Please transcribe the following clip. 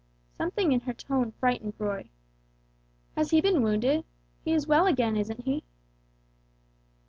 Something in her tone frightened Roy. "Has he been wounded? He is well again, isn't he?"